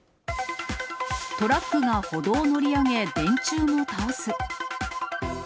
トラックが歩道乗り上げ、電柱も倒す。